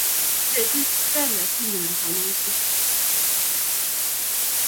rutechin sipitali asiinyoru kanyoise